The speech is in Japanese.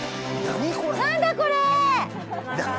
何だこれ！